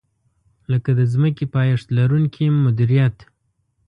لکه د ځمکې پایښت لرونکې مدیریت.